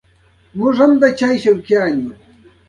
کانديد اکاډميسن عطایي د ادب له لارې یووالی غوښتی دی.